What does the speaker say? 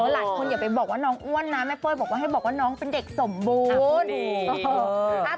หลายคนอย่าไปบอกว่าน้องอ้วนนะแม่เป้ยบอกว่าให้บอกว่าน้องเป็นเด็กสมบูรณ์